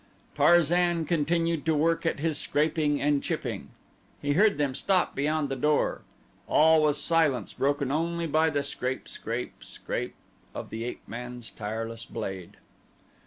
Tarzan continued to work at his scraping and chipping. He heard them stop beyond the door. All was silence broken only by the scrape, scrape, scrape of the ape man's tireless blade.